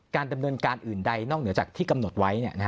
ดำเนินการอื่นใดนอกเหนือจากที่กำหนดไว้